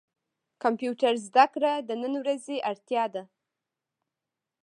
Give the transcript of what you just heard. کمپيوټر زده کړه د نن ورځي اړتيا ده.